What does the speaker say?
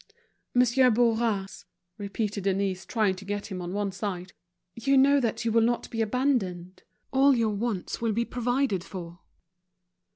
"Monsieur Bourras," repeated Denise, trying to get him on one side, "you know that you will not be abandoned. All your wants will be provided for."